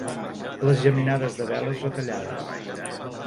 Les geminades de veles retallades.